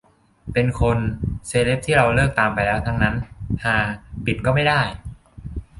เป็นคน เซเลบ ที่เราเลิกตามไปแล้วทั้งนั้น ฮา ปิดก็ไม่ได้